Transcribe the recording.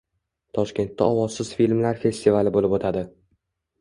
Toshkentda Ovozsiz filmlar festivali bo‘lib o‘tadi